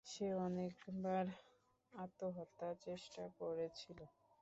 সে অনেক বার আত্মহত্যার চেষ্টা করেছিল।